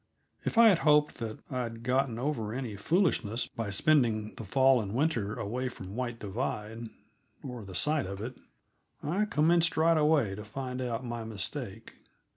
If I had hoped that I'd gotten over any foolishness by spending the fall and winter away from White Divide or the sight of it I commenced right away to find out my mistake.